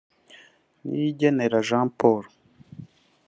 Niyingenera Jean Paul